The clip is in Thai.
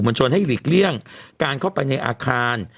ชนให้หลีกเลี่ยงการเข้าไปในอาคาร